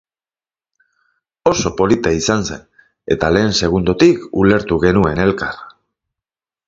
Oso polita izan zen, eta lehen segundotik ulertu genuen elkar.